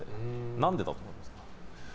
何でだと思いますか。